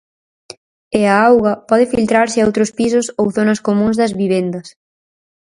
E a auga pode filtrarse a outros pisos ou zonas comúns das vivendas.